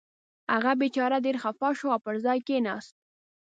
هغه بېچاره ډېر خفه شو او پر ځای کېناست.